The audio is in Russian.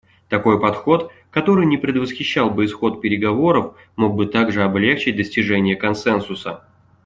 Такой подход, который не предвосхищал бы исход переговоров, мог бы также облегчить достижение консенсуса.